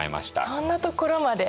そんなところまで。